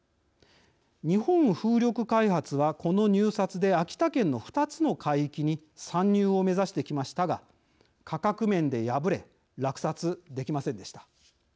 日本風力開発はこの入札で秋田県の２つの海域に参入を目指してきましたが価格面で敗れ落札できませんでした。